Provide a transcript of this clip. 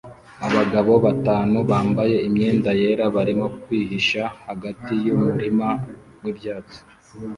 Abagabo batanu bambaye imyenda yera barimo kwihisha hagati yumurima wibyatsi